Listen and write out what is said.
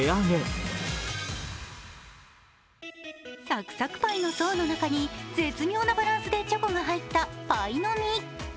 サクサクパイの層の中に絶妙なバランスでチョコが入ったパイの実。